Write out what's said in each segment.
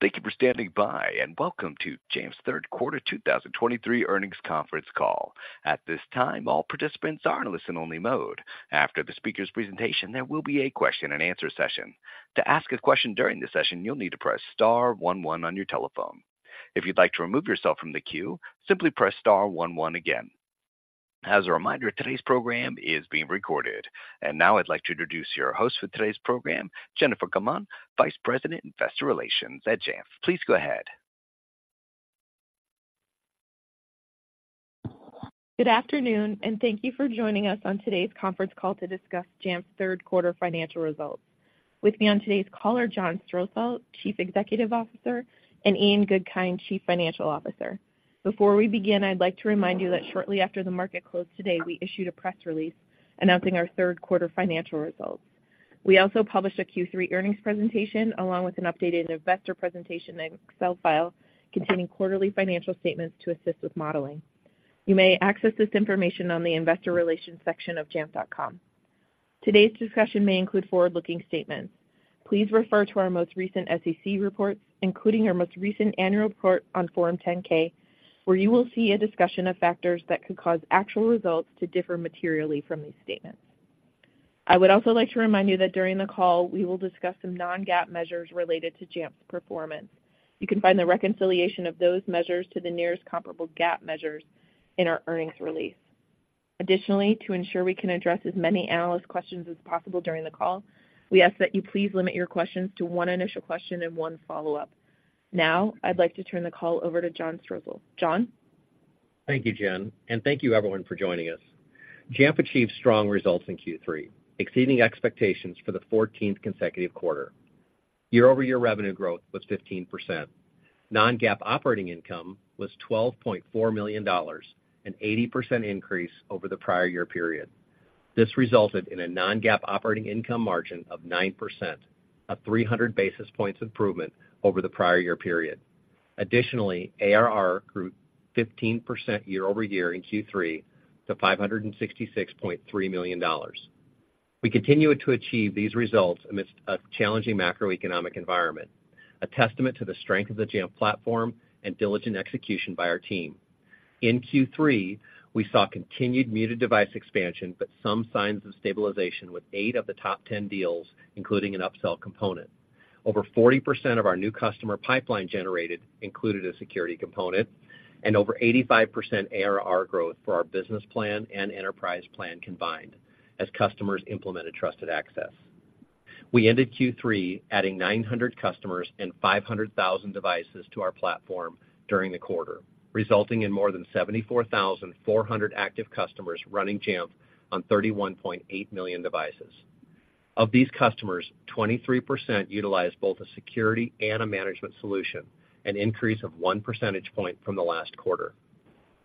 Thank you for standing by, and welcome to Jamf's third quarter 2023 earnings conference call. At this time, all participants are in listen-only mode. After the speaker's presentation, there will be a question-and-answer session. To ask a question during the session, you'll need to press star one one on your telephone. If you'd like to remove yourself from the queue, simply press star one one again. As a reminder, today's program is being recorded. And now I'd like to introduce your host for today's program, Jennifer Gaumond, Vice President, Investor Relations at Jamf. Please go ahead. Good afternoon, and thank you for joining us on today's conference call to discuss Jamf's third quarter financial results. With me on today's call are John Strosahl, Chief Executive Officer, and Ian Goodkind, Chief Financial Officer. Before we begin, I'd like to remind you that shortly after the market closed today, we issued a press release announcing our third quarter financial results. We also published a Q3 earnings presentation, along with an updated investor presentation and Excel file containing quarterly financial statements to assist with modeling. You may access this information on the investor relations section of jamf.com. Today's discussion may include forward-looking statements. Please refer to our most recent SEC reports, including our most recent annual report on Form 10-K, where you will see a discussion of factors that could cause actual results to differ materially from these statements. I would also like to remind you that during the call, we will discuss some non-GAAP measures related to Jamf's performance. You can find the reconciliation of those measures to the nearest comparable GAAP measures in our earnings release. Additionally, to ensure we can address as many analyst questions as possible during the call, we ask that you please limit your questions to one initial question and one follow-up. Now, I'd like to turn the call over to John Strosahl. John? Thank you, Jen, and thank you everyone for joining us. Jamf achieved strong results in Q3, exceeding expectations for the 14th consecutive quarter. Year-over-year revenue growth was 15%. Non-GAAP operating income was $12.4 million, an 80% increase over the prior year period. This resulted in a non-GAAP operating income margin of 9%, a 300 basis points improvement over the prior year period. Additionally, ARR grew 15% year-over-year in Q3 to $566.3 million. We continued to achieve these results amidst a challenging macroeconomic environment, a testament to the strength of the Jamf platform and diligent execution by our team. In Q3, we saw continued muted device expansion, but some signs of stabilization with eight of the top ten deals, including an upsell component. Over 40% of our new customer pipeline generated included a security component and over 85% ARR growth for our business plan and enterprise plan combined as customers implemented Trusted Access. We ended Q3, adding 900 customers and 500,000 devices to our platform during the quarter, resulting in more than 74,400 active customers running Jamf on 31.8 million devices. Of these customers, 23% utilized both a security and a management solution, an increase of one percentage point from the last quarter.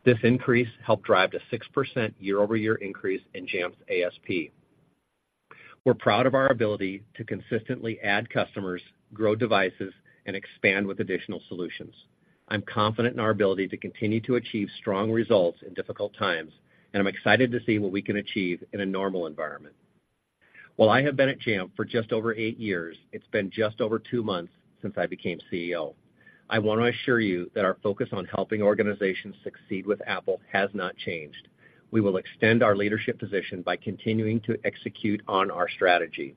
This increase helped drive to 6% year-over-year increase in Jamf's ASP. We're proud of our ability to consistently add customers, grow devices, and expand with additional solutions. I'm confident in our ability to continue to achieve strong results in difficult times, and I'm excited to see what we can achieve in a normal environment. While I have been at Jamf for just over eight years, it's been just over two months since I became CEO. I want to assure you that our focus on helping organizations succeed with Apple has not changed. We will extend our leadership position by continuing to execute on our strategy.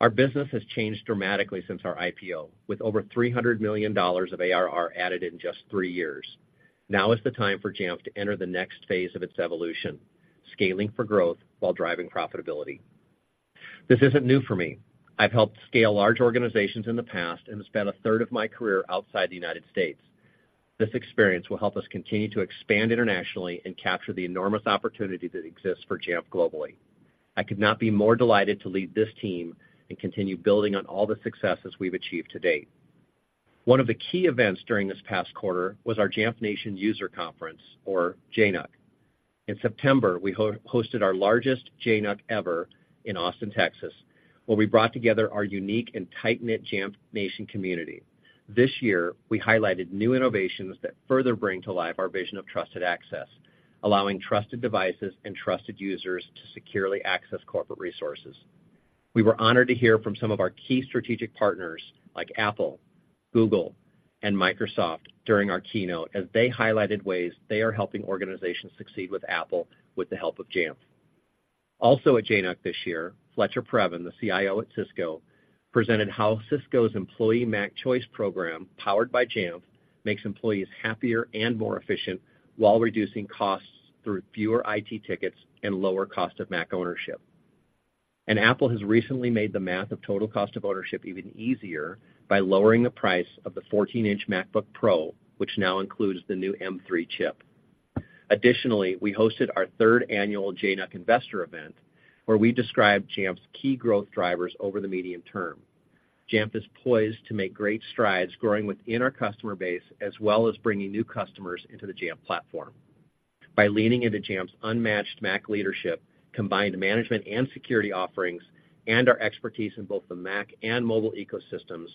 Our business has changed dramatically since our IPO, with over $300 million of ARR added in just three years. Now is the time for Jamf to enter the next phase of its evolution, scaling for growth while driving profitability. This isn't new for me. I've helped scale large organizations in the past and spent a third of my career outside the United States. This experience will help us continue to expand internationally and capture the enormous opportunity that exists for Jamf globally. I could not be more delighted to lead this team and continue building on all the successes we've achieved to date. One of the key events during this past quarter was our Jamf Nation User Conference, or JNUC. In September, we hosted our largest JNUC ever in Austin, Texas, where we brought together our unique and tight-knit Jamf Nation community. This year, we highlighted new innovations that further bring to life our vision of trusted access, allowing trusted devices and trusted users to securely access corporate resources. We were honored to hear from some of our key strategic partners like Apple, Google, and Microsoft during our keynote, as they highlighted ways they are helping organizations succeed with Apple with the help of Jamf. Also at JNUC this year, Fletcher Previn, the CIO at Cisco, presented how Cisco's employee Mac Choice program, powered by Jamf, makes employees happier and more efficient while reducing costs through fewer IT tickets and lower cost of Mac ownership. Apple has recently made the math of total cost of ownership even easier by lowering the price of the 14 in MacBook Pro, which now includes the new M3 chip. Additionally, we hosted our third annual JNUC investor event, where we described Jamf's key growth drivers over the medium term. Jamf is poised to make great strides growing within our customer base, as well as bringing new customers into the Jamf platform. By leaning into Jamf's unmatched Mac leadership, combined management and security offerings, and our expertise in both the Mac and mobile ecosystems,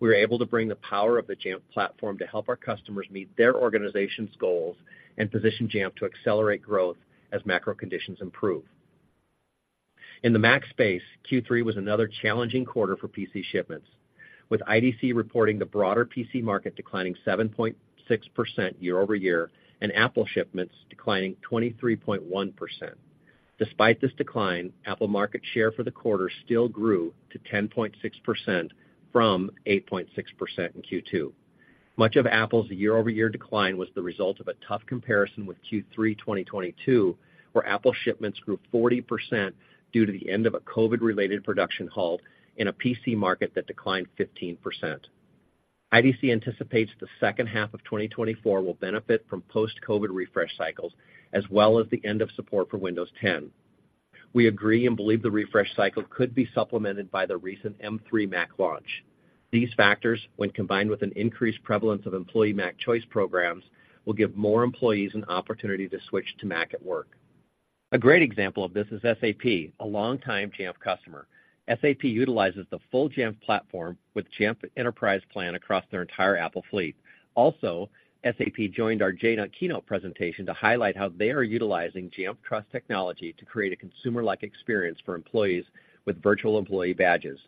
we're able to bring the power of the Jamf platform to help our customers meet their organization's goals and position Jamf to accelerate growth as macro conditions improve.... In the Mac space, Q3 was another challenging quarter for PC shipments, with IDC reporting the broader PC market declining 7.6% year-over-year, and Apple shipments declining 23.1%. Despite this decline, Apple market share for the quarter still grew to 10.6% from 8.6% in Q2. Much of Apple's year-over-year decline was the result of a tough comparison with Q3 2022, where Apple shipments grew 40% due to the end of a COVID-related production halt in a PC market that declined 15%. IDC anticipates the second half of 2024 will benefit from post-COVID refresh cycles, as well as the end of support for Windows 10. We agree and believe the refresh cycle could be supplemented by the recent M3 Mac launch. These factors, when combined with an increased prevalence of employee Mac choice programs, will give more employees an opportunity to switch to Mac at work. A great example of this is SAP, a long-time Jamf customer. SAP utilizes the full Jamf platform with Jamf Enterprise Plan across their entire Apple fleet. Also, SAP joined our JNUC keynote presentation to highlight how they are utilizing Jamf Trust technology to create a consumer-like experience for employees with virtual employee badges.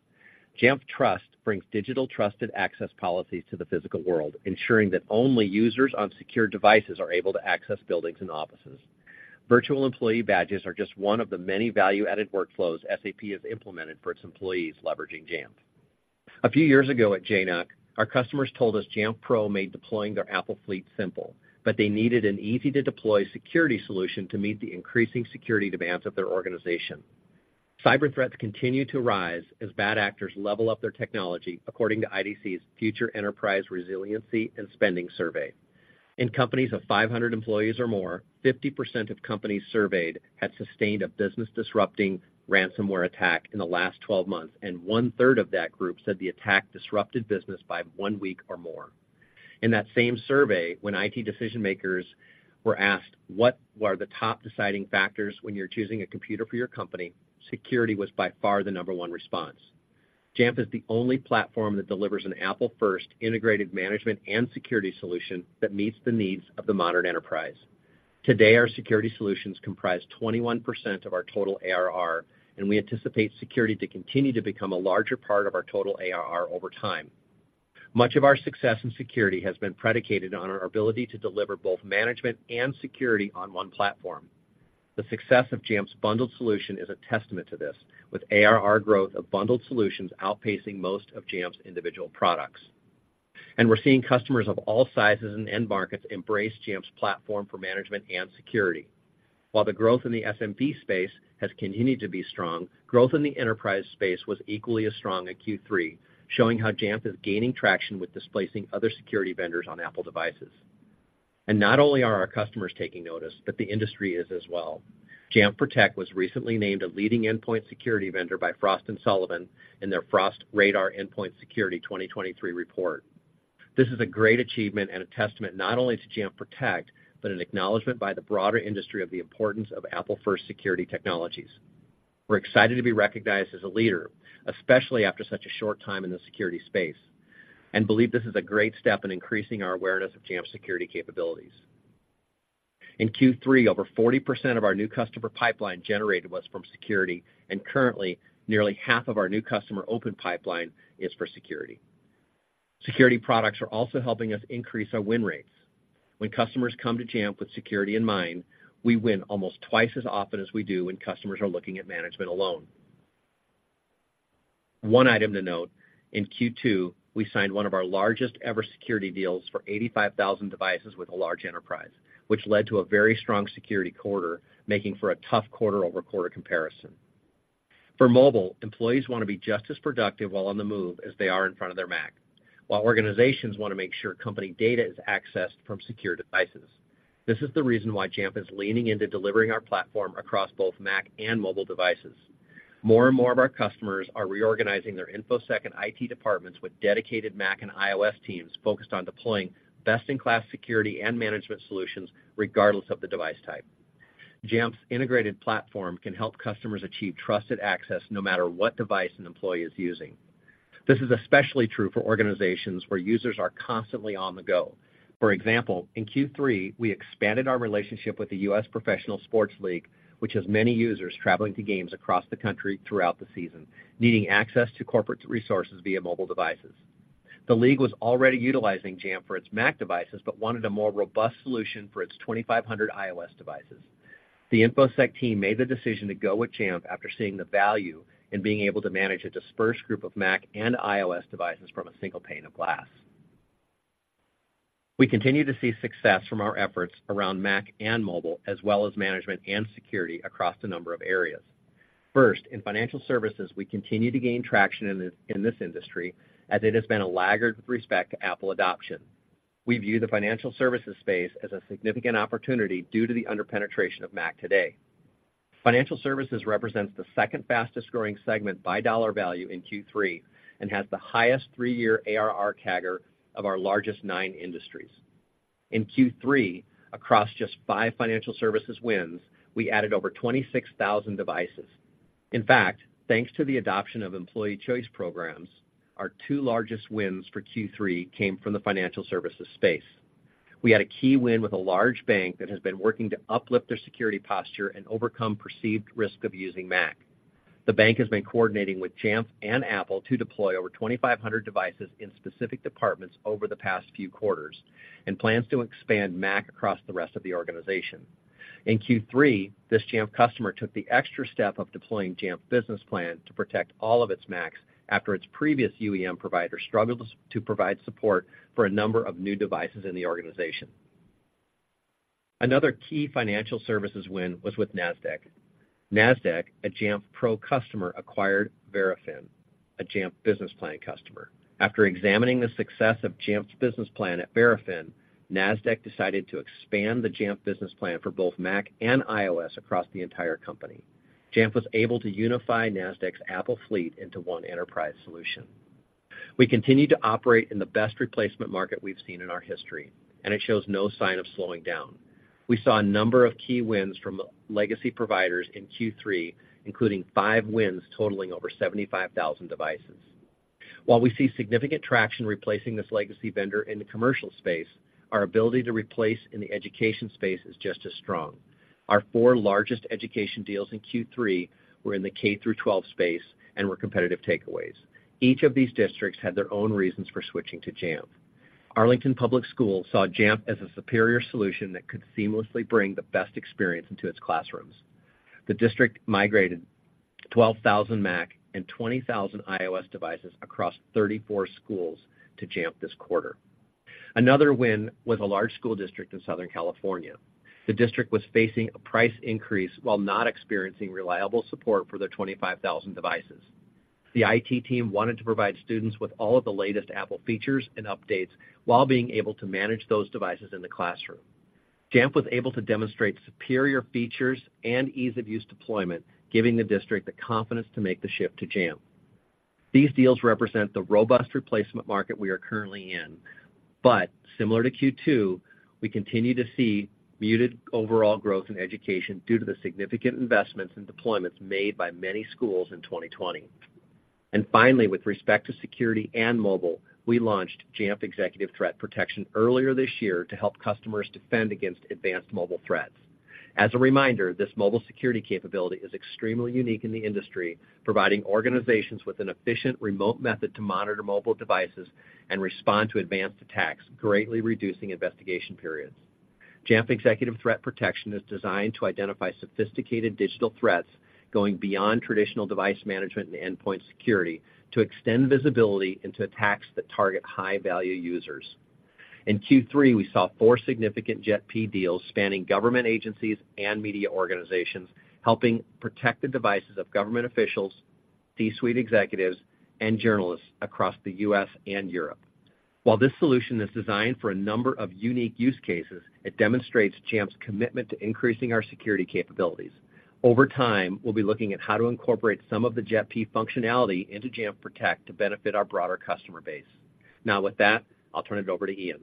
Jamf Trust brings digital trusted access policies to the physical world, ensuring that only users on secure devices are able to access buildings and offices. Virtual employee badges are just one of the many value-added workflows SAP has implemented for its employees, leveraging Jamf. A few years ago at JNUC, our customers told us Jamf Pro made deploying their Apple fleet simple, but they needed an easy-to-deploy security solution to meet the increasing security demands of their organization. Cyber threats continue to rise as bad actors level up their technology, according to IDC's Future Enterprise Resiliency and Spending Survey. In companies of 500 employees or more, 50% of companies surveyed had sustained a business-disrupting ransomware attack in the last 12 months, and one-third of that group said the attack disrupted business by one week or more. In that same survey, when IT decision-makers were asked, "What are the top deciding factors when you're choosing a computer for your company?" Security was by far the number one response. Jamf is the only platform that delivers an Apple first integrated management and security solution that meets the needs of the modern enterprise. Today, our security solutions comprise 21% of our total ARR, and we anticipate security to continue to become a larger part of our total ARR over time. Much of our success in security has been predicated on our ability to deliver both management and security on one platform. The success of Jamf's bundled solution is a testament to this, with ARR growth of bundled solutions outpacing most of Jamf's individual products. And we're seeing customers of all sizes and end markets embrace Jamf's platform for management and security. While the growth in the SMB space has continued to be strong, growth in the enterprise space was equally as strong in Q3, showing how Jamf is gaining traction with displacing other security vendors on Apple devices. Not only are our customers taking notice, but the industry is as well. Jamf Protect was recently named a leading endpoint security vendor by Frost & Sullivan in their Frost Radar Endpoint Security 2023 report. This is a great achievement and a testament not only to Jamf Protect, but an acknowledgment by the broader industry of the importance of Apple first security technologies. We're excited to be recognized as a leader, especially after such a short time in the security space, and believe this is a great step in increasing our awareness of Jamf's security capabilities. In Q3, over 40% of our new customer pipeline generated was from security, and currently, nearly half of our new customer open pipeline is for security. Security products are also helping us increase our win rates. When customers come to Jamf with security in mind, we win almost twice as often as we do when customers are looking at management alone. One item to note, in Q2, we signed one of our largest-ever security deals for 85,000 devices with a large enterprise, which led to a very strong security quarter, making for a tough quarter-over-quarter comparison. For mobile, employees want to be just as productive while on the move as they are in front of their Mac, while organizations want to make sure company data is accessed from secure devices. This is the reason why Jamf is leaning into delivering our platform across both Mac and mobile devices. More and more of our customers are reorganizing their InfoSec and IT departments with dedicated Mac and iOS teams focused on deploying best-in-class security and management solutions, regardless of the device type. Jamf's integrated platform can help customers achieve trusted access no matter what device an employee is using. This is especially true for organizations where users are constantly on the go. For example, in Q3, we expanded our relationship with the U.S. professional sports league, which has many users traveling to games across the country throughout the season, needing access to corporate resources via mobile devices. The league was already utilizing Jamf for its Mac devices, but wanted a more robust solution for its 2,500 iOS devices. The InfoSec team made the decision to go with Jamf after seeing the value in being able to manage a dispersed group of Mac and iOS devices from a single pane of glass. We continue to see success from our efforts around Mac and mobile, as well as management and security across a number of areas. First, in financial services, we continue to gain traction in this, in this industry, as it has been a laggard with respect to Apple adoption. We view the financial services space as a significant opportunity due to the under-penetration of Mac today. Financial services represents the second fastest-growing segment by dollar value in Q3 and has the highest three-year ARR CAGR of our largest nine industries. In Q3, across just five financial services wins, we added over 26,000 devices. In fact, thanks to the adoption of employee choice programs, our two largest wins for Q3 came from the financial services space.... We had a key win with a large bank that has been working to uplift their security posture and overcome perceived risk of using Mac. The bank has been coordinating with Jamf and Apple to deploy over 2,500 devices in specific departments over the past few quarters, and plans to expand Mac across the rest of the organization. In Q3, this Jamf customer took the extra step of deploying Jamf Business Plan to protect all of its Macs after its previous UEM provider struggled to provide support for a number of new devices in the organization. Another key financial services win was with Nasdaq. Nasdaq, a Jamf Pro customer, acquired Verafin, a Jamf Business Plan customer. After examining the success of Jamf's Business Plan at Verafin, Nasdaq decided to expand the Jamf Business Plan for both Mac and iOS across the entire company. Jamf was able to unify Nasdaq's Apple fleet into one enterprise solution. We continue to operate in the best replacement market we've seen in our history, and it shows no sign of slowing down. We saw a number of key wins from legacy providers in Q3, including five wins totaling over 75,000 devices. While we see significant traction replacing this legacy vendor in the commercial space, our ability to replace in the education space is just as strong. Our four largest education deals in Q3 were in the K through 12 space and were competitive takeaways. Each of these districts had their own reasons for switching to Jamf. Arlington Public Schools saw Jamf as a superior solution that could seamlessly bring the best experience into its classrooms. The district migrated 12,000 Mac and 20,000 iOS devices across 34 schools to Jamf this quarter. Another win was a large school district in Southern California. The district was facing a price increase while not experiencing reliable support for their 25,000 devices. The IT team wanted to provide students with all of the latest Apple features and updates, while being able to manage those devices in the classroom. Jamf was able to demonstrate superior features and ease-of-use deployment, giving the district the confidence to make the shift to Jamf. These deals represent the robust replacement market we are currently in, but similar to Q2, we continue to see muted overall growth in education due to the significant investments and deployments made by many schools in 2020. And finally, with respect to security and mobile, we launched Jamf Executive Threat Protection earlier this year to help customers defend against advanced mobile threats. As a reminder, this mobile security capability is extremely unique in the industry, providing organizations with an efficient remote method to monitor mobile devices and respond to advanced attacks, greatly reducing investigation periods. Jamf Executive Threat Protection is designed to identify sophisticated digital threats, going beyond traditional device management and endpoint security, to extend visibility into attacks that target high-value users. In Q3, we saw four significant JET-P deals spanning government agencies and media organizations, helping protect the devices of government officials, C-suite executives, and journalists across the U.S. and Europe. While this solution is designed for a number of unique use cases, it demonstrates Jamf's commitment to increasing our security capabilities. Over time, we'll be looking at how to incorporate some of the JET-P functionality into Jamf Protect to benefit our broader customer base. Now, with that, I'll turn it over to Ian.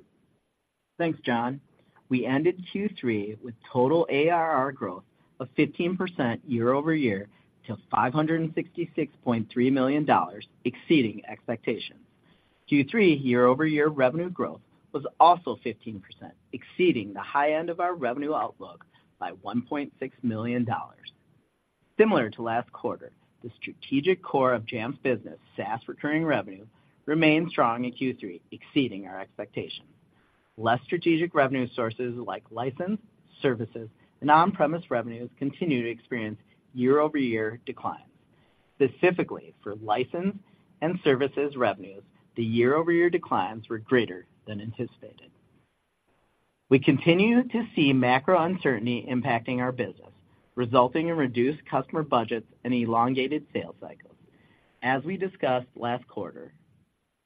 Thanks, John. We ended Q3 with total ARR growth of 15% year-over-year to $566.3 million, exceeding expectations. Q3 year-over-year revenue growth was also 15%, exceeding the high end of our revenue outlook by $1.6 million. Similar to last quarter, the strategic core of Jamf's business, SaaS recurring revenue, remained strong in Q3, exceeding our expectations. Less strategic revenue sources like license, services, and on-premise revenues continue to experience year-over-year declines. Specifically, for license and services revenues, the year-over-year declines were greater than anticipated. We continue to see macro uncertainty impacting our business, resulting in reduced customer budgets and elongated sales cycles. As we discussed last quarter,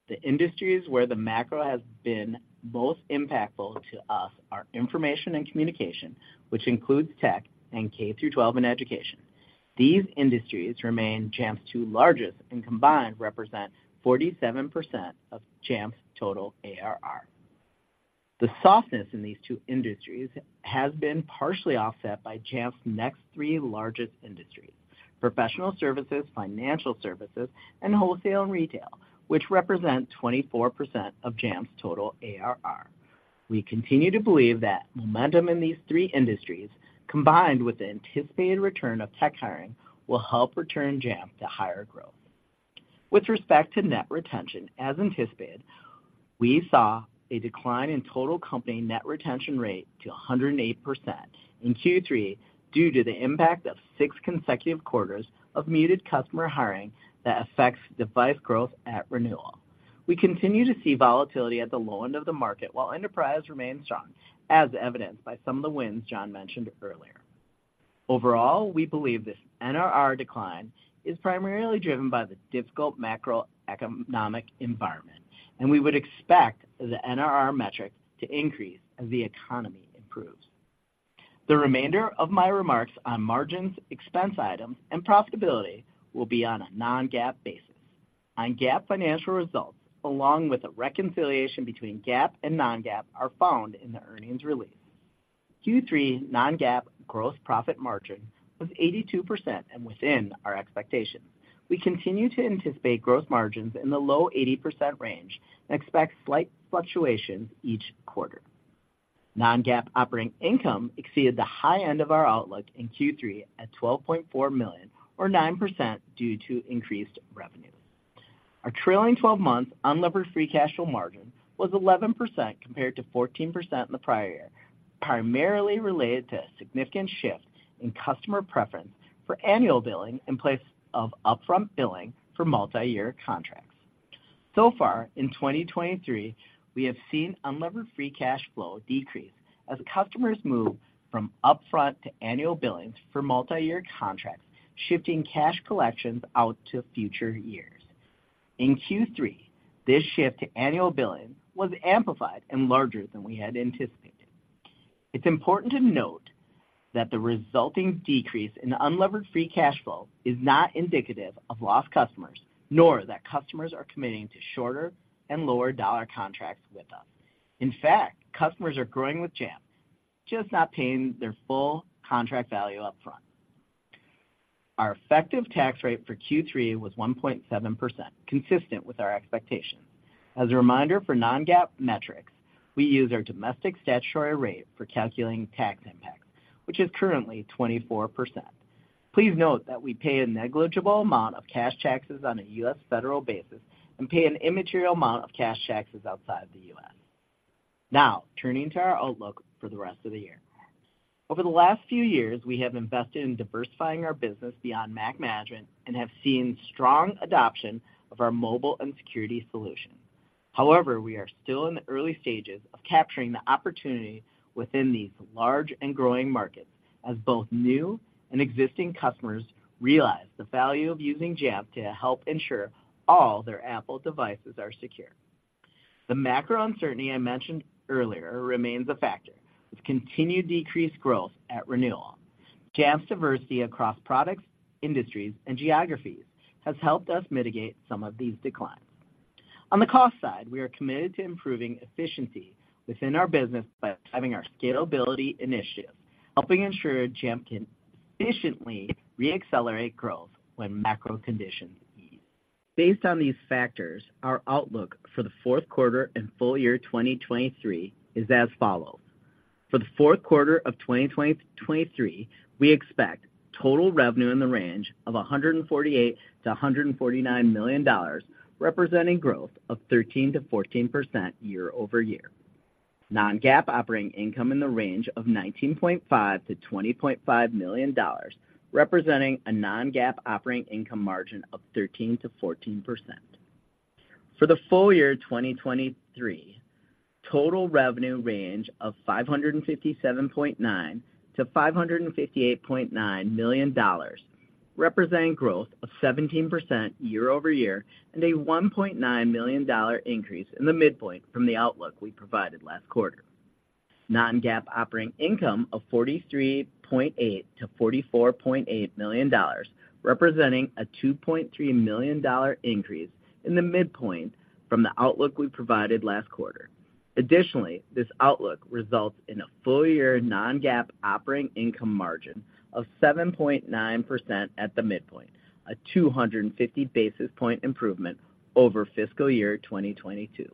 the industries where the macro has been most impactful to us are information and communication, which includes tech and K through 12 in education. These industries remain Jamf's two largest, and combined, represent 47% of Jamf's total ARR. The softness in these two industries has been partially offset by Jamf's next three largest industries: professional services, financial services, and wholesale and retail, which represent 24% of Jamf's total ARR. We continue to believe that momentum in these three industries, combined with the anticipated return of tech hiring, will help return Jamf to higher growth. With respect to net retention, as anticipated, we saw a decline in total company net retention rate to 108% in Q3, due to the impact of six consecutive quarters of muted customer hiring that affects device growth at renewal. We continue to see volatility at the low end of the market, while enterprise remains strong, as evidenced by some of the wins John mentioned earlier. Overall, we believe this NRR decline is primarily driven by the difficult macroeconomic environment, and we would expect the NRR metric to increase as the economy improves. The remainder of my remarks on margins, expense items, and profitability will be on a non-GAAP basis. On GAAP financial results, along with a reconciliation between GAAP and non-GAAP, are found in the earnings release. Q3 non-GAAP gross profit margin was 82% and within our expectations. We continue to anticipate gross margins in the low 80% range and expect slight fluctuations each quarter. Non-GAAP operating income exceeded the high end of our outlook in Q3 at $12.4 million, or 9%, due to increased revenue. Our trailing twelve-month unlevered free cash flow margin was 11% compared to 14% in the prior year, primarily related to a significant shift in customer preference for annual billing in place of upfront billing for multi-year contracts. So far, in 2023, we have seen unlevered free cash flow decrease as customers move from upfront to annual billings for multi-year contracts, shifting cash collections out to future years. In Q3, this shift to annual billing was amplified and larger than we had anticipated. It's important to note that the resulting decrease in unlevered free cash flow is not indicative of lost customers, nor that customers are committing to shorter and lower dollar contracts with us. In fact, customers are growing with Jamf, just not paying their full contract value upfront. Our effective tax rate for Q3 was 1.7%, consistent with our expectations. As a reminder, for non-GAAP metrics, we use our domestic statutory rate for calculating tax impacts, which is currently 24%. Please note that we pay a negligible amount of cash taxes on a U.S. federal basis and pay an immaterial amount of cash taxes outside the U.S. Now, turning to our outlook for the rest of the year. Over the last few years, we have invested in diversifying our business beyond Mac management and have seen strong adoption of our mobile and security solutions. However, we are still in the early stages of capturing the opportunity within these large and growing markets, as both new and existing customers realize the value of using Jamf to help ensure all their Apple devices are secure. The macro uncertainty I mentioned earlier remains a factor, with continued decreased growth at renewal. Jamf's diversity across products, industries, and geographies has helped us mitigate some of these declines. On the cost side, we are committed to improving efficiency within our business by driving our scalability initiative, helping ensure Jamf can efficiently reaccelerate growth when macro conditions ease. Based on these factors, our outlook for the fourth quarter and full year 2023 is as follows: For the fourth quarter of 2023, we expect total revenue in the range of $148 million-$149 million, representing growth of 13%-14% year-over-year. Non-GAAP operating income in the range of $19.5 million-$20.5 million, representing a non-GAAP operating income margin of 13%-14%. For the full year 2023, total revenue range of $557.9 million-$558.9 million, representing growth of 17% year-over-year, and a $1.9 million increase in the midpoint from the outlook we provided last quarter. Non-GAAP operating income of $43.8 million-$44.8 million, representing a $2.3 million increase in the midpoint from the outlook we provided last quarter. Additionally, this outlook results in a full-year non-GAAP operating income margin of 7.9% at the midpoint, a 250 basis point improvement over fiscal year 2022.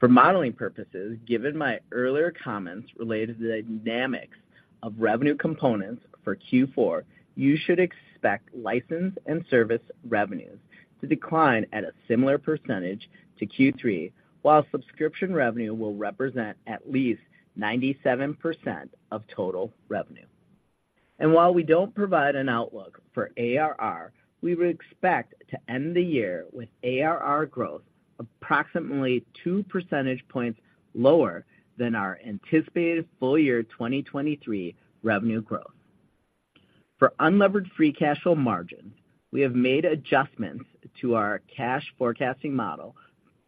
For modeling purposes, given my earlier comments related to the dynamics of revenue components for Q4, you should expect license and service revenues to decline at a similar percentage to Q3, while subscription revenue will represent at least 97% of total revenue. While we don't provide an outlook for ARR, we would expect to end the year with ARR growth approximately 2 percentage points lower than our anticipated full year 2023 revenue growth. For unlevered free cash flow margin, we have made adjustments to our cash forecasting model,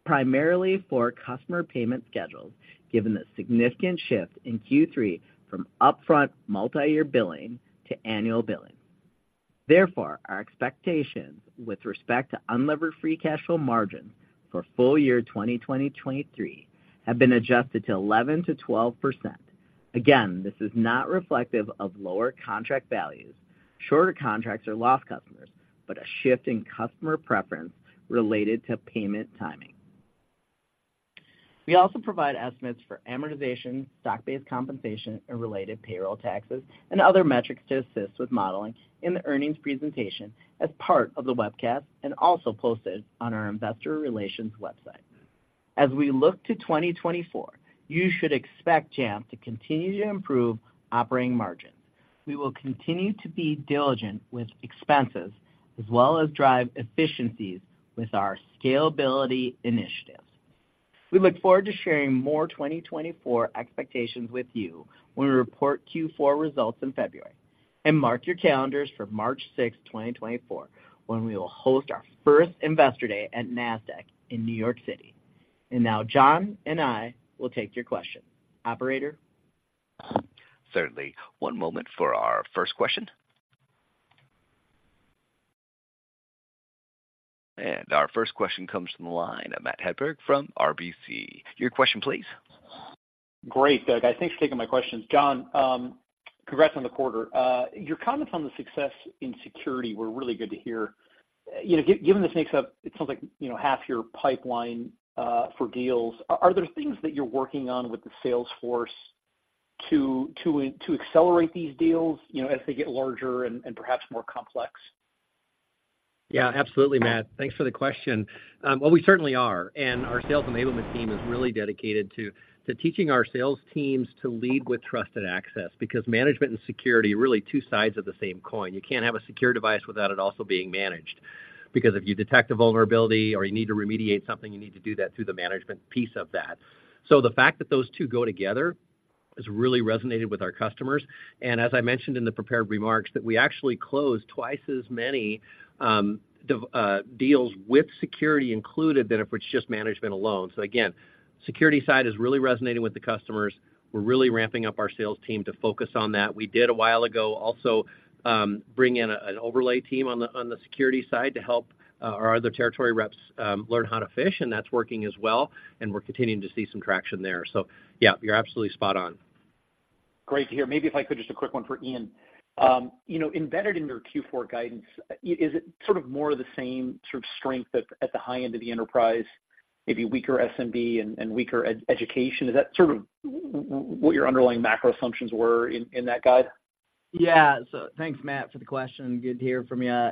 primarily for customer payment schedules, given the significant shift in Q3 from upfront multi-year billing to annual billing. Therefore, our expectations with respect to unlevered free cash flow margin for full year 2023 have been adjusted to 11%-12%. Again, this is not reflective of lower contract values, shorter contracts or lost customers, but a shift in customer preference related to payment timing. We also provide estimates for amortization, stock-based compensation and related payroll taxes, and other metrics to assist with modeling in the earnings presentation as part of the webcast, and also posted on our investor relations website. As we look to 2024, you should expect Jamf to continue to improve operating margins. We will continue to be diligent with expenses as well as drive efficiencies with our scalability initiatives. We look forward to sharing more 2024 expectations with you when we report Q4 results in February. And mark your calendars for March 6th, 2024, when we will host our first Investor Day at Nasdaq in New York City. And now John and I will take your questions. Operator? Certainly. One moment for our first question. Our first question comes from the line of Matt Hedberg from RBC. Your question, please? Great, Doug. Thanks for taking my questions. John, congrats on the quarter. Your comments on the success in security were really good to hear. You know, given this makes up, it sounds like, you know, half your pipeline for deals, are there things that you're working on with the sales force to accelerate these deals, you know, as they get larger and perhaps more complex? Yeah, absolutely, Matt. Thanks for the question. Well, we certainly are, and our sales enablement team is really dedicated to teaching our sales teams to lead with Trusted Access, because management and security are really two sides of the same coin. You can't have a secure device without it also being managed. Because if you detect a vulnerability or you need to remediate something, you need to do that through the management piece of that. So the fact that those two go together has really resonated with our customers. And as I mentioned in the prepared remarks, that we actually closed twice as many dev deals with security included than if it's just management alone. So again, security side is really resonating with the customers. We're really ramping up our sales team to focus on that. We did, a while ago, also, bring in an overlay team on the security side to help our other territory reps learn how to fish, and that's working as well, and we're continuing to see some traction there. So yeah, you're absolutely spot on. Great to hear. Maybe if I could, just a quick one for Ian. You know, embedded in your Q4 guidance, is it sort of more of the same sort of strength at the high end of the enterprise, maybe weaker SMB and weaker education? Is that sort of what your underlying macro assumptions were in that guide? Yeah, so thanks, Matt, for the question. Good to hear from you.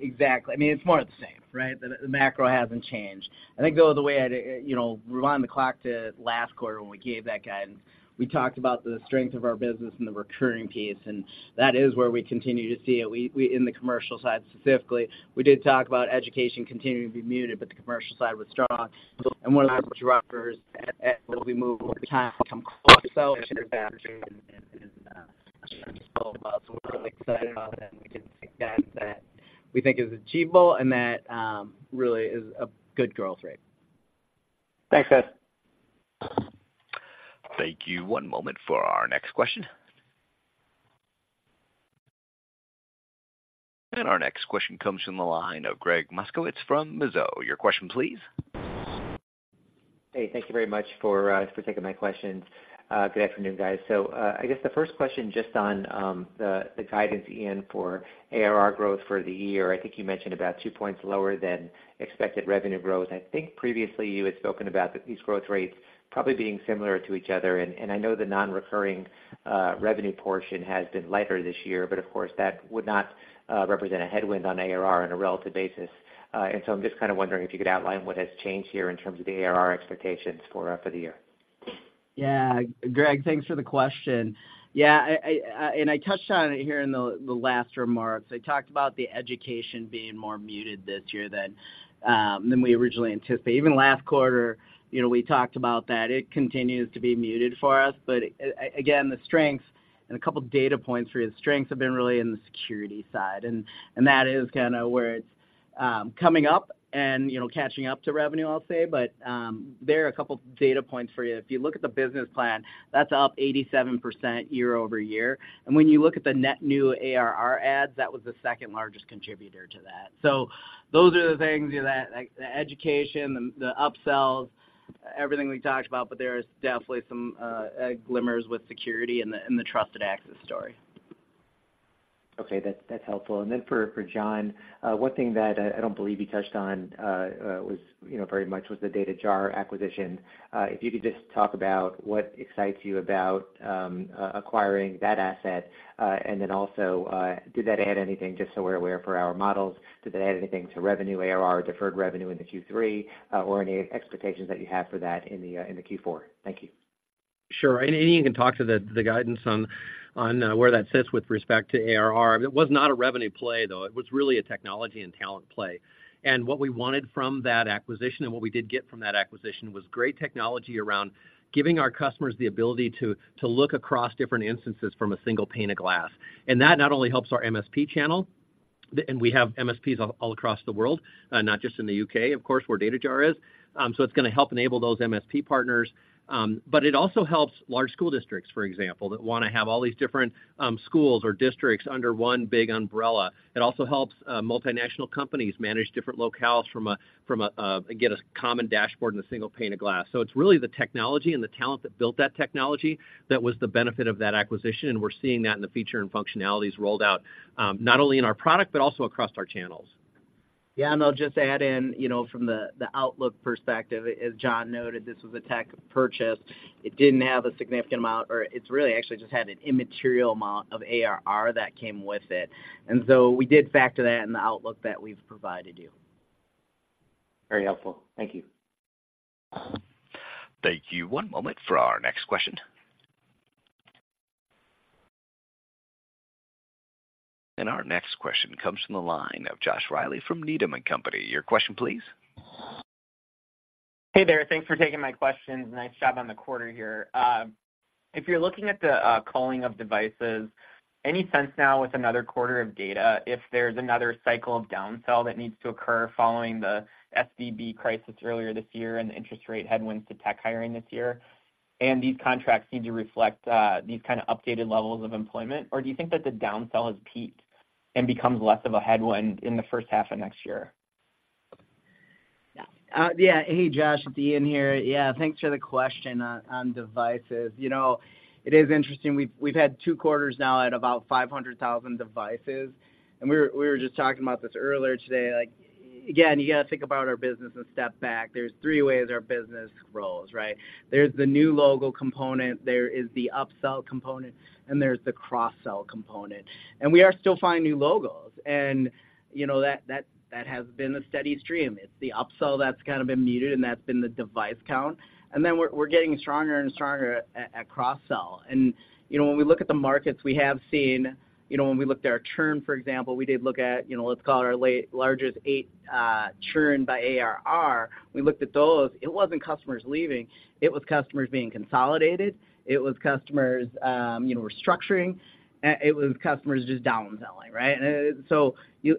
Exactly. I mean, it's more of the same, right? The macro hasn't changed. I think, though, the way I'd, you know, rewind the clock to last quarter when we gave that guidance, we talked about the strength of our business and the recurring piece, and that is where we continue to see it. In the commercial side, specifically, we did talk about education continuing to be muted, but the commercial side was strong. And one of our drivers as we move over time, become so and, so we're really excited about that. We think that is achievable and that really is a good growth rate. Thanks, guys. Thank you. One moment for our next question. Our next question comes from the line of Gregg Moskowitz from Mizuho. Your question, please. Hey, thank you very much for taking my questions. Good afternoon, guys. So, I guess the first question, just on the guidance, Ian, for ARR growth for the year. I think you mentioned about two points lower than expected revenue growth. I think previously you had spoken about these growth rates probably being similar to each other, and I know the non-recurring revenue portion has been lighter this year, but of course, that would not represent a headwind on ARR on a relative basis. And so I'm just kind of wondering if you could outline what has changed here in terms of the ARR expectations for the year. Yeah. Greg, thanks for the question. Yeah, I and I touched on it here in the last remarks. I talked about the education being more muted this year than we originally anticipated. Even last quarter, you know, we talked about that. It continues to be muted for us, but again, the strengths, and a couple of data points for you, the strengths have been really in the security side, and that is kind of where it's coming up and, you know, catching up to revenue, I'll say. But there are a couple of data points for you. If you look at the business plan, that's up 87% year-over-year. And when you look at the net new ARR adds, that was the second largest contributor to that. So those are the things, you know, that, like, the education, the upsells, everything we talked about, but there is definitely some glimmers with security and the Trusted Access story. Okay, that's, that's helpful. And then for, for John, one thing that I, I don't believe you touched on, you know, very much was the dataJAR acquisition. If you could just talk about what excites you about acquiring that asset, and then also, did that add anything, just so we're aware, for our models? Did that add anything to revenue, ARR, deferred revenue in the Q3, or any expectations that you have for that in the Q4? Thank you. Sure. And Ian can talk to the guidance on where that sits with respect to ARR. It was not a revenue play, though. It was really a technology and talent play. And what we wanted from that acquisition and what we did get from that acquisition was great technology around giving our customers the ability to look across different instances from a single pane of glass. And that not only helps our MSP channel, and we have MSPs all across the world, not just in the U.K., of course, where dataJAR is. So it's going to help enable those MSP partners, but it also helps large school districts, for example, that want to have all these different schools or districts under one big umbrella. It also helps multinational companies manage different locales, get a common dashboard and a single pane of glass. So it's really the technology and the talent that built that technology that was the benefit of that acquisition, and we're seeing that in the feature and functionalities rolled out, not only in our product, but also across our channels. Yeah, and I'll just add in, you know, from the, the outlook perspective, as John noted, this was a tech purchase. It didn't have a significant amount, or it's really actually just had an immaterial amount of ARR that came with it. And so we did factor that in the outlook that we've provided you. Very helpful. Thank you. Thank you. One moment for our next question. Our next question comes from the line of Josh Riley from Needham and Company. Your question, please. Hey there. Thanks for taking my questions. Nice job on the quarter here. If you're looking at the culling of devices, any sense now with another quarter of data, if there's another cycle of downsell that needs to occur following the SVB crisis earlier this year and the interest rate headwinds to tech hiring this year? And these contracts need to reflect these kind of updated levels of employment? Or do you think that the downfall has peaked and becomes less of a headwind in the first half of next year? Yeah. Yeah. Hey, Josh, it's Ian here. Yeah, thanks for the question on, on devices. You know, it is interesting, we've, we've had two quarters now at about 500,000 devices, and we were, we were just talking about this earlier today. Like, again, you got to think about our business and step back. There's three ways our business rolls, right? There's the new logo component, there is the upsell component, and there's the cross-sell component. And we are still finding new logos, and, you know, that, that, that has been a steady stream. It's the upsell that's kind of been muted, and that's been the device count. And then we're, we're getting stronger and stronger at, at cross-sell. You know, when we look at the markets, we have seen, you know, when we looked at our churn, for example, we did look at, you know, let's call it our largest eight churn by ARR. We looked at those. It wasn't customers leaving, it was customers being consolidated, it was customers, you know, restructuring, and it was customers just downselling, right? And so,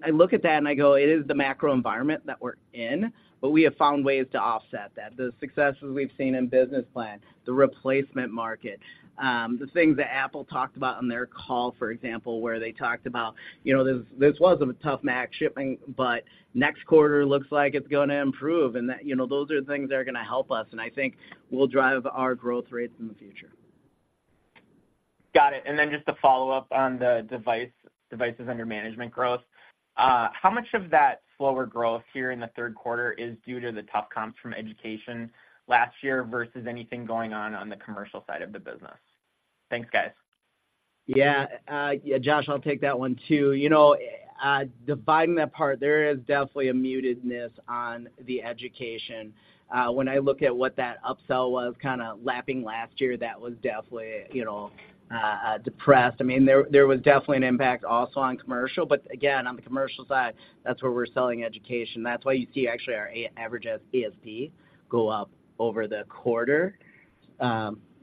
I look at that and I go, it is the macro environment that we're in, but we have found ways to offset that. The successes we've seen in business plan, the replacement market, the things that Apple talked about on their call, for example, where they talked about, you know, this, this was a tough Mac shipping, but next quarter looks like it's gonna improve, and that, you know, those are the things that are gonna help us, and I think will drive our growth rates in the future. Got it. And then just to follow up on the device, devices under management growth, how much of that slower growth here in the third quarter is due to the tough comps from education last year versus anything going on on the commercial side of the business? Thanks, guys. Yeah, yeah, Josh, I'll take that one, too. You know, dividing that part, there is definitely a mutedness on the education. When I look at what that upsell was kind of lapping last year, that was definitely, you know, depressed. I mean, there was definitely an impact also on commercial, but again, on the commercial side, that's where we're selling education. That's why you see actually our average ASP go up over the quarter.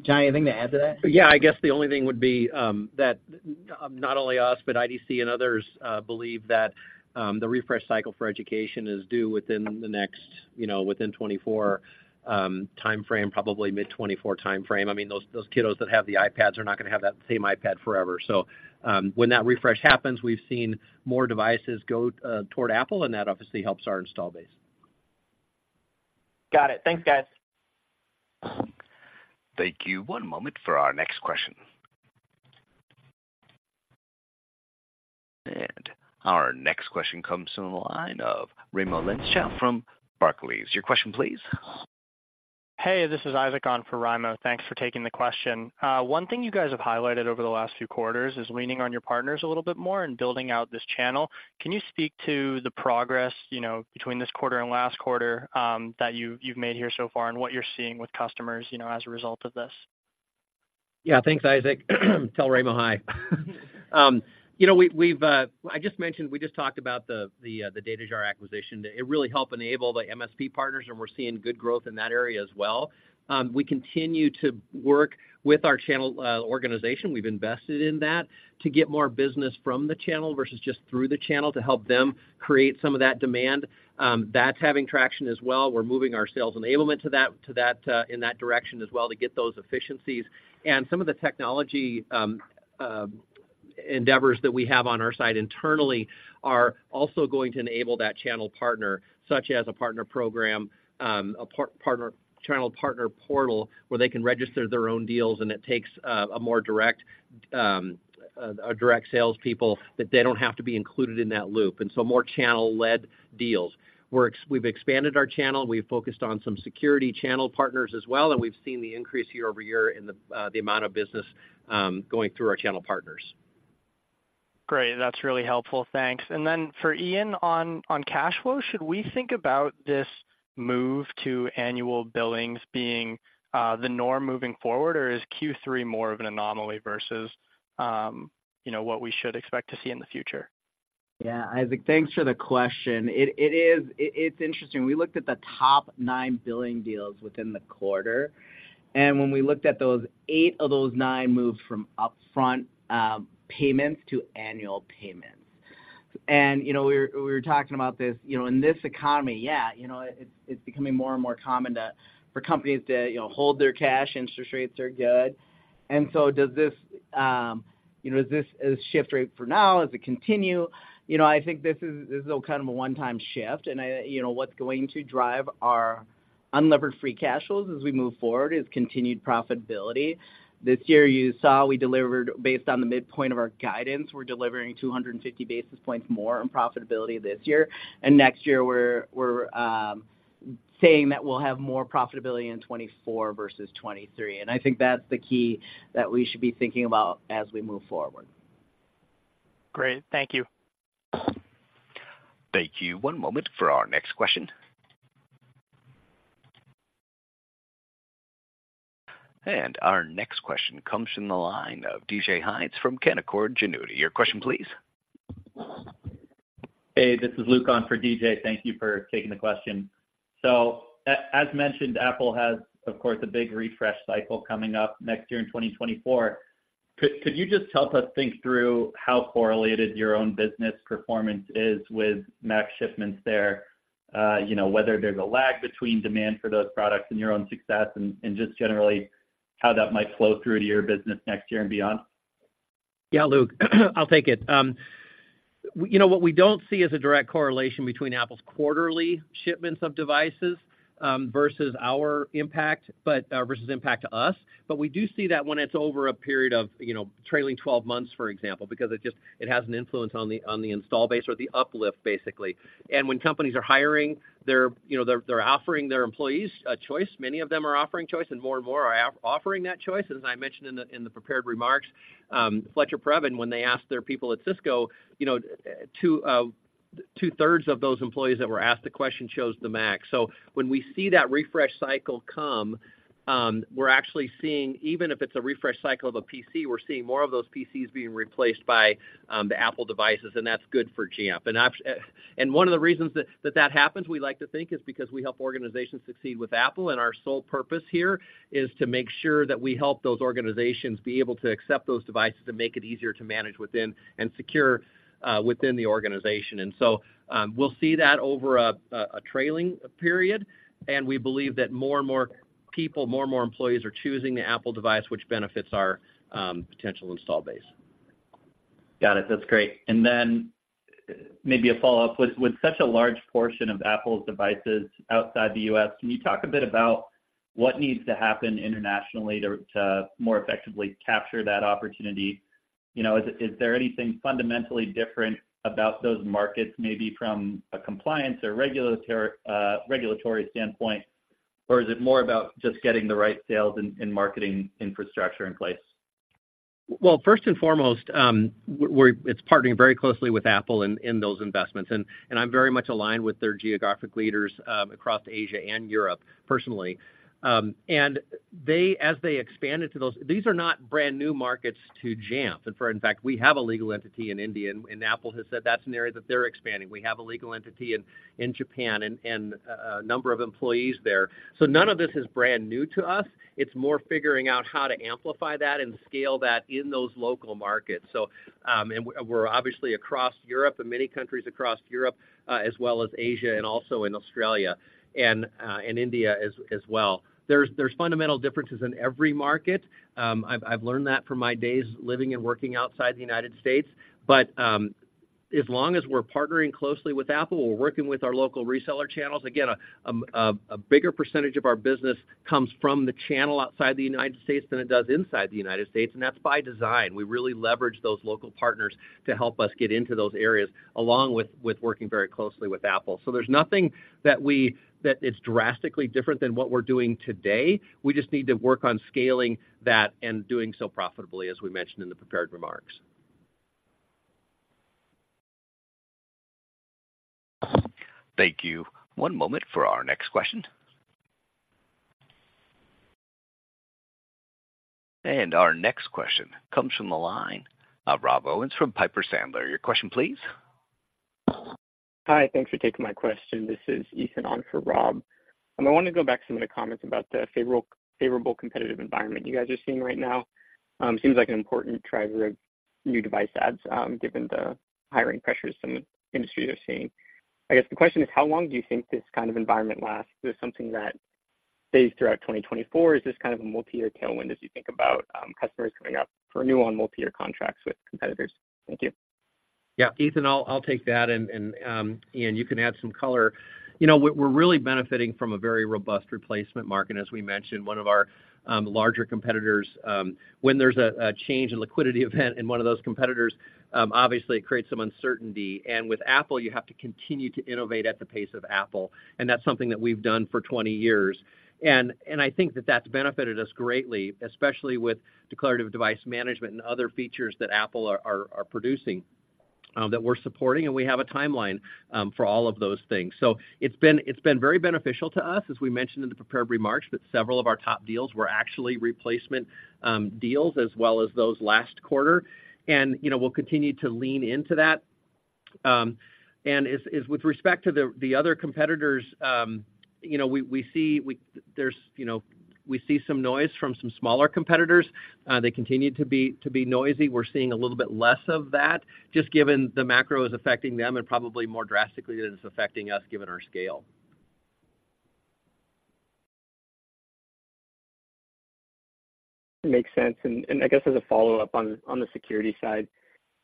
Johnny, anything to add to that? Yeah, I guess the only thing would be that not only us, but IDC and others believe that the refresh cycle for education is due within the next, you know, within 2024 time frame, probably mid-2024 time frame. I mean, those, those kiddos that have the iPads are not gonna have that same iPad forever. So, when that refresh happens, we've seen more devices go toward Apple, and that obviously helps our install base. Got it. Thanks, guys. Thank you. One moment for our next question. Our next question comes from the line of Raimo Lenschow from Barclays. Your question, please. Hey, this is Isaac on for Raimo. Thanks for taking the question. One thing you guys have highlighted over the last few quarters is leaning on your partners a little bit more and building out this channel. Can you speak to the progress, you know, between this quarter and last quarter, that you've made here so far and what you're seeing with customers, you know, as a result of this? Yeah, thanks, Isaac. Tell Raimo hi. You know, we've, we've, I just mentioned, we just talked about the, the, the dataJAR acquisition. It really helped enable the MSP partners, and we're seeing good growth in that area as well. We continue to work with our channel organization. We've invested in that to get more business from the channel versus just through the channel to help them create some of that demand. That's having traction as well. We're moving our sales enablement to that, to that, in that direction as well to get those efficiencies. And some of the technology endeavors that we have on our side internally are also going to enable that channel partner, such as a partner program, a partner channel partner portal, where they can register their own deals, and it takes a more direct salespeople, that they don't have to be included in that loop, and so more channel-led deals. We've expanded our channel, we've focused on some security channel partners as well, and we've seen the increase year-over-year in the amount of business going through our channel partners. Great. That's really helpful. Thanks. And then for Ian, on cash flow, should we think about this move to annual billings being the norm moving forward, or is Q3 more of an anomaly versus you know, what we should expect to see in the future? Yeah, Isaac, thanks for the question. It is interesting. We looked at the top nine billing deals within the quarter, and when we looked at those, eight of those nine moved from upfront payments to annual payments. And, you know, we were talking about this, you know, in this economy, yeah, you know, it's becoming more and more common for companies to, you know, hold their cash, interest rates are good. And so does this, you know, is this a shift rate for now? Does it continue? You know, I think this is all kind of a one-time shift, and I, you know, what's going to drive our Unlevered Free Cash Flows as we move forward is continued profitability. This year, you saw we delivered, based on the midpoint of our guidance, we're delivering 250 basis points more in profitability this year. Next year, we're saying that we'll have more profitability in 2024 versus 2023. And I think that's the key that we should be thinking about as we move forward. Great. Thank you. Thank you. One moment for our next question. Our next question comes from the line of DJ Hynes from Canaccord Genuity. Your question, please. Hey, this is Luke on for DJ. Thank you for taking the question. So as mentioned, Apple has, of course, a big refresh cycle coming up next year in 2024. Could you just help us think through how correlated your own business performance is with Mac shipments there? You know, whether there's a lag between demand for those products and your own success, and just generally how that might flow through to your business next year and beyond? Yeah, Luke, I'll take it. We, you know, what we don't see is a direct correlation between Apple's quarterly shipments of devices versus our impact, but versus impact to us. But we do see that when it's over a period of, you know, trailing twelve months, for example, because it just has an influence on the install base or the uplift, basically. And when companies are hiring, they're, you know, offering their employees a choice. Many of them are offering choice, and more and more are offering that choice. As I mentioned in the prepared remarks, Fletcher Previn, when they asked their people at Cisco, you know, two-thirds of those employees that were asked the question chose the Mac. So when we see that refresh cycle come, we're actually seeing, even if it's a refresh cycle of a PC, we're seeing more of those PCs being replaced by, the Apple devices, and that's good for Jamf. And one of the reasons that, that happens, we like to think, is because we help organizations succeed with Apple, and our sole purpose here is to make sure that we help those organizations be able to accept those devices and make it easier to manage within and secure, within the organization. And so, we'll see that over a trailing period, and we believe that more and more people, more and more employees are choosing the Apple device, which benefits our potential install base. Got it. That's great. And then maybe a follow-up: With such a large portion of Apple's devices outside the U.S., can you talk a bit about what needs to happen internationally to more effectively capture that opportunity? You know, is there anything fundamentally different about those markets, maybe from a compliance or regulatory standpoint? Or is it more about just getting the right sales and marketing infrastructure in place? Well, first and foremost, we're partnering very closely with Apple in those investments, and I'm very much aligned with their geographic leaders across Asia and Europe, personally. And they, as they expand into those... These are not brand new markets to Jamf, and in fact, we have a legal entity in India, and Apple has said that's an area that they're expanding. We have a legal entity in Japan and a number of employees there. So none of this is brand new to us. It's more figuring out how to amplify that and scale that in those local markets. So, and we're obviously across Europe and many countries across Europe, as well as Asia and also in Australia and in India as well. There's fundamental differences in every market. I've learned that from my days living and working outside the United States. But as long as we're partnering closely with Apple, we're working with our local reseller channels. Again, a bigger percentage of our business comes from the channel outside the United States than it does inside the United States, and that's by design. We really leverage those local partners to help us get into those areas, along with working very closely with Apple. So there's nothing that is drastically different than what we're doing today. We just need to work on scaling that and doing so profitably, as we mentioned in the prepared remarks. Thank you. One moment for our next question. Our next question comes from the line of Rob Owens from Piper Sandler. Your question, please. Hi, thanks for taking my question. This is Ethan on for Rob. I want to go back to some of the comments about the favorable competitive environment you guys are seeing right now. Seems like an important driver of new device ads, given the hiring pressures some industries are seeing. I guess the question is: how long do you think this kind of environment lasts? Is this something that stays throughout 2024? Is this kind of a multi-year tailwind as you think about, customers coming up for renew on multi-year contracts with competitors? Thank you. Yeah, Ethan, I'll take that, and Ian, you can add some color. You know, we're really benefiting from a very robust replacement market. As we mentioned, one of our larger competitors, when there's a change in liquidity event in one of those competitors, obviously, it creates some uncertainty. And with Apple, you have to continue to innovate at the pace of Apple, and that's something that we've done for 20 years. And I think that that's benefited us greatly, especially with Declarative Device Management and other features that Apple are producing that we're supporting, and we have a timeline for all of those things. So it's been very beneficial to us, as we mentioned in the prepared remarks, that several of our top deals were actually replacement deals as well as those last quarter. You know, we'll continue to lean into that. As with respect to the other competitors, you know, we see some noise from some smaller competitors. They continue to be noisy. We're seeing a little bit less of that, just given the macro is affecting them and probably more drastically than it's affecting us, given our scale. Makes sense. And, and I guess as a follow-up on, on the security side,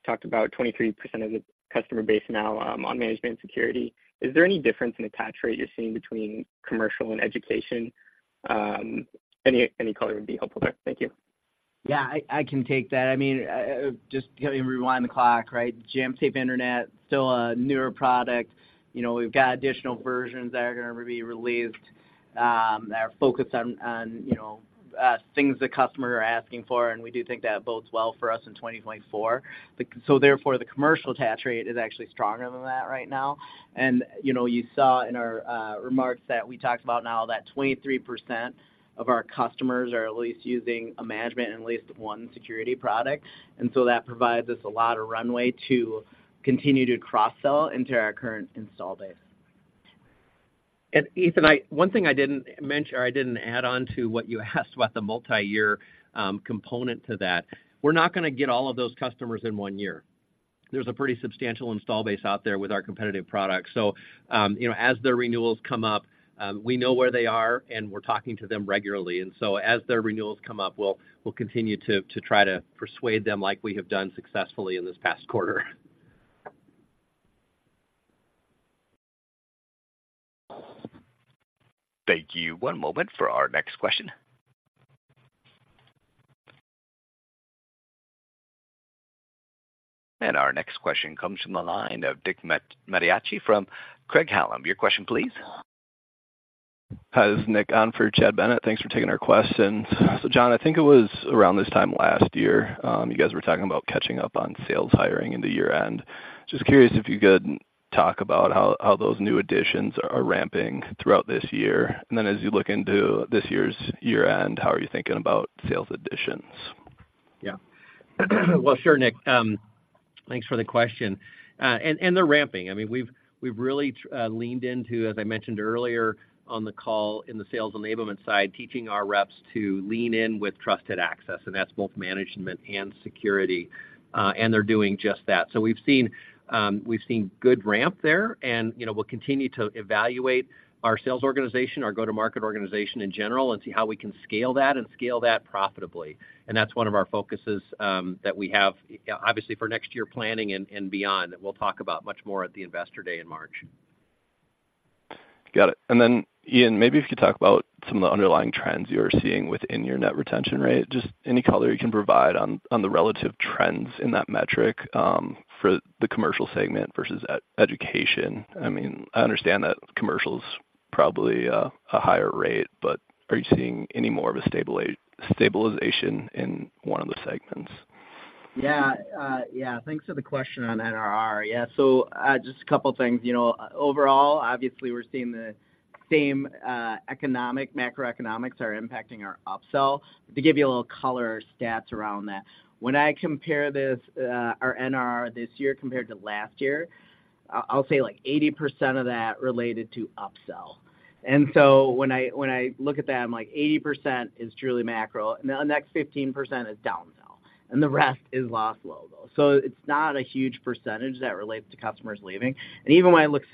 talked about 23% of the customer base now on management security. Is there any difference in attach rate you're seeing between commercial and education? Any, any color would be helpful there. Thank you. Yeah, I can take that. I mean, just rewind the clock, right? Jamf Safe Internet, still a newer product. You know, we've got additional versions that are gonna be released, that are focused on, you know, things the customer are asking for, and we do think that bodes well for us in 2024. So therefore, the commercial attach rate is actually stronger than that right now. And, you know, you saw in our remarks that we talked about now that 23% of our customers are at least using a management and at least one security product. And so that provides us a lot of runway to continue to cross-sell into our current install base.... And Ethan, one thing I didn't mention, or I didn't add on to what you asked about the multi-year component to that, we're not gonna get all of those customers in one year. There's a pretty substantial installed base out there with our competitive products. So, you know, as their renewals come up, we know where they are, and we're talking to them regularly. And so as their renewals come up, we'll continue to try to persuade them like we have done successfully in this past quarter. Thank you. One moment for our next question. Our next question comes from the line of Chad Bennett from Craig-Hallum. Your question, please. Hi, this is Nick on for Chad Bennett. Thanks for taking our questions. So, John, I think it was around this time last year, you guys were talking about catching up on sales hiring into year-end. Just curious if you could talk about how those new additions are ramping throughout this year. And then as you look into this year's year-end, how are you thinking about sales additions? Yeah. Well, sure, Nick. Thanks for the question. And they're ramping. I mean, we've really leaned into, as I mentioned earlier on the call, in the sales enablement side, teaching our reps to lean in with Trusted Access, and that's both management and security, and they're doing just that. So we've seen good ramp there, and, you know, we'll continue to evaluate our sales organization, our go-to-market organization in general, and see how we can scale that and scale that profitably. And that's one of our focuses, that we have, obviously, for next year planning and beyond, that we'll talk about much more at the Investor Day in March. Got it. Then, Ian, maybe if you could talk about some of the underlying trends you are seeing within your net retention rate. Just any color you can provide on the relative trends in that metric for the commercial segment versus education. I mean, I understand that commercial is probably a higher rate, but are you seeing any more of a stabilization in one of the segments? Yeah, yeah, thanks for the question on NRR. Yeah, so, just a couple of things, you know, overall, obviously, we're seeing the same economic macroeconomics are impacting our upsell. To give you a little color stats around that, when I compare this, our NRR this year compared to last year, I'll say, like, 80% of that related to upsell. And so when I, when I look at that, I'm like, 80% is truly macro, and the next 15% is downsell, and the rest is logo loss. So it's not a huge percentage that relates to customers leaving. And even when I look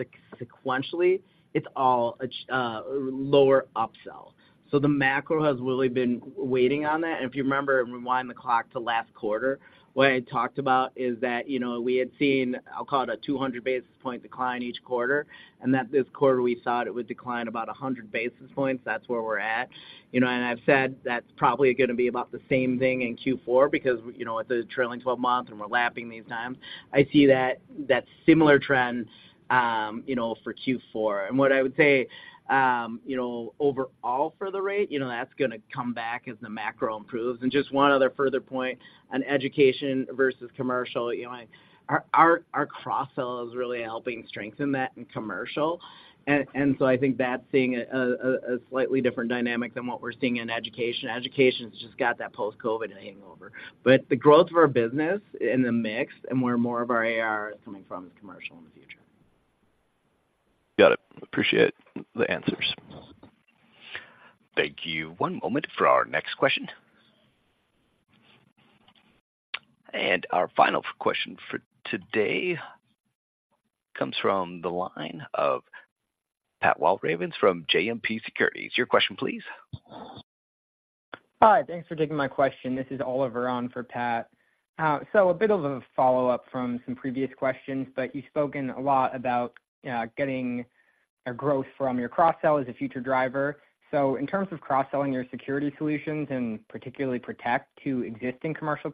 sequentially, it's all a change lower upsell. So the macro has really been weighing on that. If you remember, rewind the clock to last quarter, what I talked about is that, you know, we had seen, I'll call it a 200 basis point decline each quarter, and that this quarter, we thought it would decline about 100 basis points. That's where we're at. You know, and I've said that's probably gonna be about the same thing in Q4 because, you know, it's a trailing twelve-month, and we're lapping these times. I see that similar trends, you know, for Q4. What I would say, you know, overall for the rate, you know, that's gonna come back as the macro improves. Just one other further point on education versus commercial, you know, our cross-sell is really helping strengthen that in commercial. So I think that's seeing a slightly different dynamic than what we're seeing in education. Education has just got that post-COVID hangover. But the growth of our business in the mix and where more of our AR is coming from is commercial in the future. Got it. Appreciate the answers. Thank you. One moment for our next question. Our final question for today comes from the line of Pat Walravens from JMP Securities. Your question, please. Hi, thanks for taking my question. This is Oliver on for Pat. So a bit of a follow-up from some previous questions, but you've spoken a lot about getting a growth from your cross-sell as a future driver. So in terms of cross-selling your security solutions, and particularly Protect to existing commercial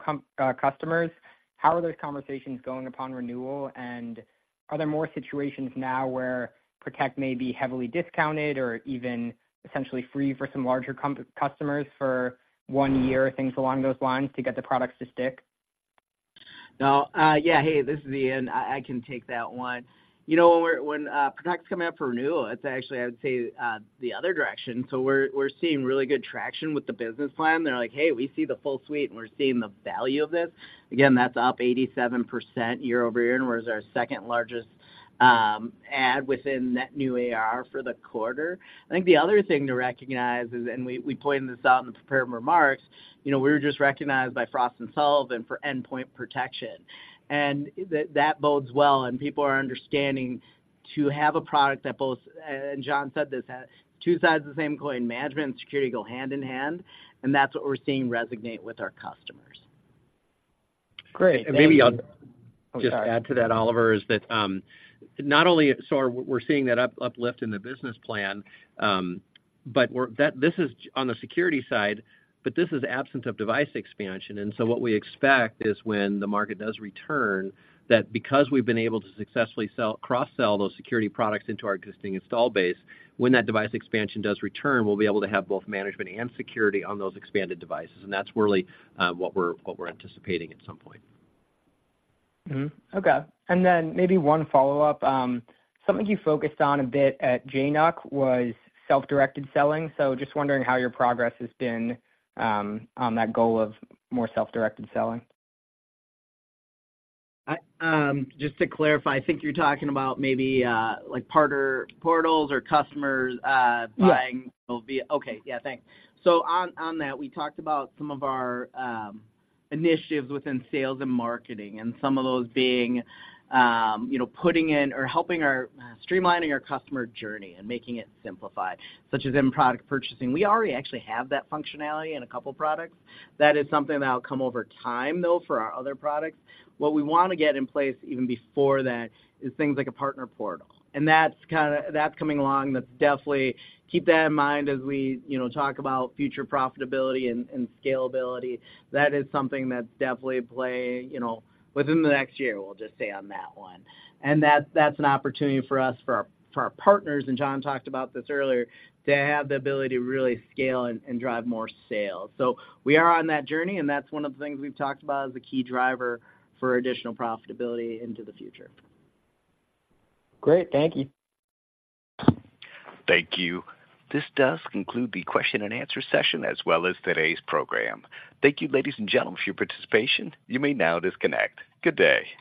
customers, how are those conversations going upon renewal? And are there more situations now where Protect may be heavily discounted or even essentially free for some larger company customers for one year, things along those lines, to get the products to stick? No, yeah, hey, this is Ian. I can take that one. You know, when Protect is coming up for renewal, it's actually, I would say, the other direction. So we're seeing really good traction with the Business Plan. They're like, "Hey, we see the full suite, and we're seeing the value of this." Again, that's up 87% year-over-year, and whereas our second-largest add within that new ARR for the quarter. I think the other thing to recognize is, and we, we pointed this out in the prepared remarks, you know, we were just recognized by Frost & Sullivan for endpoint protection, and that, that bodes well, and people are understanding to have a product that both, and John said this, has two sides of the same coin, management and security go hand in hand, and that's what we're seeing resonate with our customers. Great. And maybe I'll- Oh, sorry. Just add to that, Oliver, is that not only so we're seeing that uplift in the business plan, but that this is on the security side, but this is absence of device expansion. And so what we expect is when the market does return, that because we've been able to successfully sell, cross-sell those security products into our existing install base, when that device expansion does return, we'll be able to have both management and security on those expanded devices, and that's really what we're anticipating at some point. Mm-hmm. Okay. Then maybe one follow-up. Something you focused on a bit at JNUC was self-directed selling. Just wondering how your progress has been on that goal of more self-directed selling. I just to clarify, I think you're talking about maybe like partner portals or customers. Right Okay, yeah, thanks. So on, on that, we talked about some of our initiatives within sales and marketing, and some of those being you know, putting in or helping our streamlining our customer journey and making it simplified, such as in-product purchasing. We already actually have that functionality in a couple of products. That is something that'll come over time, though, for our other products. What we wanna get in place even before that is things like a partner portal, and that's kinda that's coming along. That's definitely. Keep that in mind as we you know, talk about future profitability and, and scalability. That is something that's definitely play you know, within the next year, we'll just say on that one. That, that's an opportunity for us, for our partners, and John talked about this earlier, to have the ability to really scale and drive more sales. We are on that journey, and that's one of the things we've talked about as a key driver for additional profitability into the future. Great. Thank you. Thank you. This does conclude the question and answer session as well as today's program. Thank you, ladies and gentlemen, for your participation. You may now disconnect. Good day.